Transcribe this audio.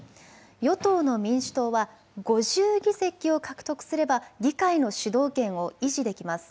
与党の民主党は５０議席を獲得すれば議会の主導権を維持できます。